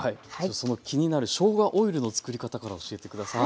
その気になるしょうがオイルの作り方から教えて下さい。